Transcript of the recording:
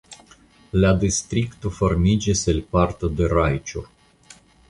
La distrikto formiĝis el parto de Rajĉur.